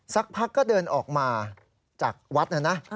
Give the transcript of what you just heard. สักพักก็เดินออกมาจากวัดนะนะ